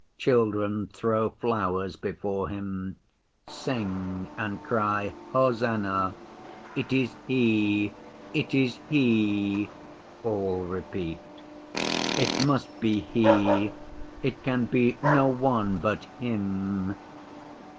Children throw flowers before Him, sing, and cry hosannah. 'It is He—it is He!' all repeat. 'It must be He, it can be no one but Him!